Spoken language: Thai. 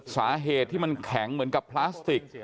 สาเหตุที่มันแข็งเหมือนกับพลาสติก